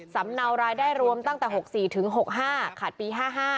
สำเนารายได้รวมตั้งแต่๖๔ถึง๖๕ขาดปี๕๕